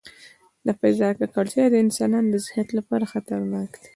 د فضا ککړتیا د انسانانو د صحت لپاره خطرناک دی.